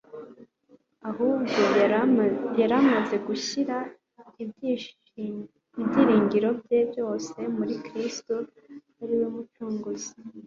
ahubwo yari amaze gushyira ibyiringiro bye byose muri Kristo ko ari Umucunguzi.